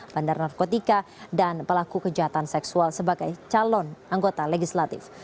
bandar narkotika dan pelaku kejahatan seksual sebagai calon anggota legislatif